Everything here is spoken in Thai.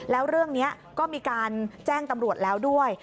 แล้วเรื่องนี้ก็มีการแจ้งตำรวจแล้วด้วย